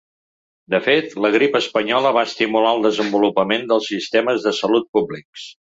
De fet, la grip espanyola va estimular el desenvolupament dels sistemes de salut públics.